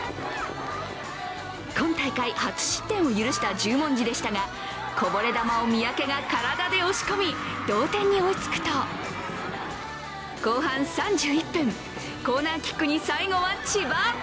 今大会初失点を許した十文字でしたがこぼれ球を三宅が体で押し込み同点に追いつくと、後半３１分、コーナーキックに最後は千葉。